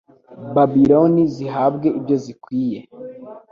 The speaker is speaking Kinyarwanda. babiloni zihabwe ibyo zikwiye